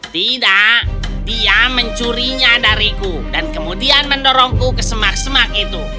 tidak dia mencurinya dariku dan kemudian mendorongku ke semak semak itu